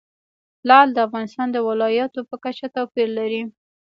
لعل د افغانستان د ولایاتو په کچه توپیر لري.